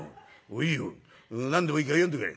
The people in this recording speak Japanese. いいよ何でもいいから読んでくれ」。